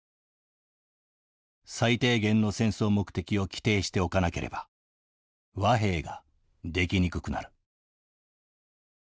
最低限の戦争目的を規定しておかなければ和平ができにくくなる」。